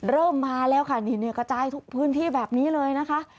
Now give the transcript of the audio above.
เริ่มมาแล้วค่ะนี่กระจายทุกพื้นที่แบบนี้เลยนะคะ